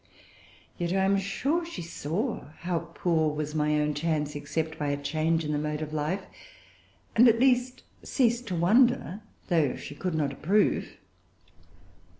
Yet I am sure she saw how poor was my own chance, except by a change in the mode of life, and at least[Pg 376] ceased to wonder, though she could not approve."